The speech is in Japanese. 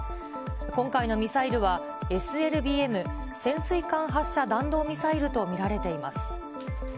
今回のミサイルは、ＳＬＢＭ・潜水艦発射弾道ミサイルと見られています。